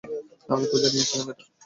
আমিও খোঁজ নিয়েছিলাম, বেটা!